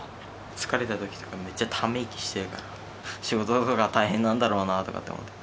疲れたときとか、めっちゃため息してるから、仕事とか大変なんだろうなとかって思って。